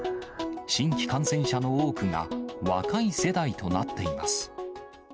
新規感染者の多くが若い世代となっています。